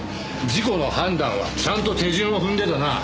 事故の判断はちゃんと手順を踏んでだな。